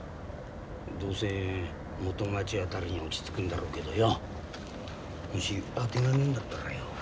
どうせ元町辺りに落ち着くんだろうけどよもしあてがねえんだったらよ